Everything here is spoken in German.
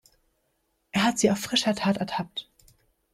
Er hat sie auf frischer Tat ertappt.